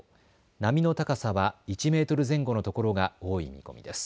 波の高さは１メートル前後のところが多い見込みです。